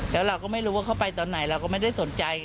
แล้วเราก็ไม่รู้ว่าเขาไปตอนไหนเราก็ไม่ได้สนใจ